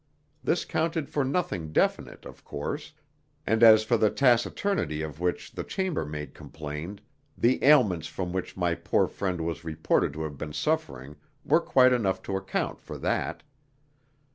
This counted for nothing definite, of course; and as for the taciturnity of which the chambermaid complained, the ailments from which my poor friend was reported to have been suffering were quite enough to account for that.